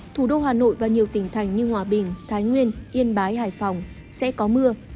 thủ đô hà nội và nhiều tỉnh thành như hòa bình thái nguyên yên bái hải phòng sẽ có mưa